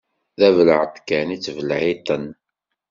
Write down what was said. D abelεeṭ kan i ttbelεiṭen.